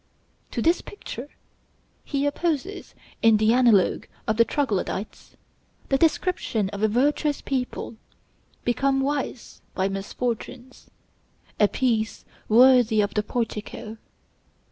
To this picture he opposes, in the apologue of the Troglodytes, the description of a virtuous people, become wise by misfortunes a piece worthy of the portico.